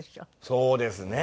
そうですね。